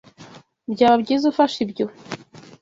Byaba byiza ufashe ibyo.